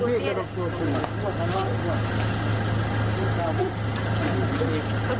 คุณยายกลับมาได้ไหมรับจร้องเชื้อ